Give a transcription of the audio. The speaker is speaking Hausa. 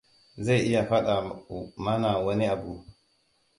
Zai iya faɗa mana wani abu.